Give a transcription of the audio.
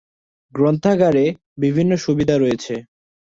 গ্রন্থাগারে বিভিন্ন সুবিধা রয়েছে।